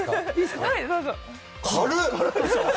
軽っ！